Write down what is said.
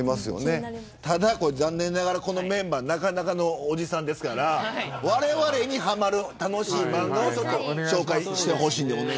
ただ、残念ながらこのメンバーなかなかのおじさんですからわれわれにはまる楽しい漫画を紹介してほしいです。